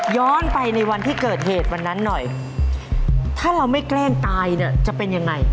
ย้อนไปในวันที่เกิดเหตุวันนั้นหน่อยถ้าเราไม่แกล้งตายเนี่ยจะเป็นยังไง